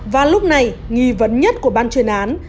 và lúc này nghi vấn nhất của ban chuyên án